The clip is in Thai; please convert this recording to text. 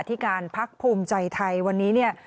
ที่การพักภูมิใจไทยวันนี้